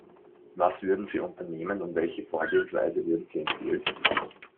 Was würden Sie unternehmen und welche Vorgehensweise würden Sie empfehlen?